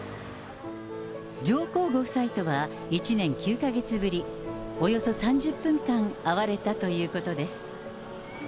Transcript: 上皇ご夫妻とは１年９か月ぶり、およそ３０分間会われたということです。